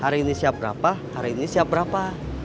hari ini siap berapa hari ini siap berapa